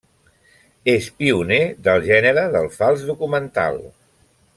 És pioner del gènere del fals documental.